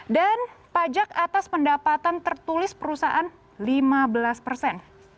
dan pajak atas pendapatan tertulis perusahaan lima belas persen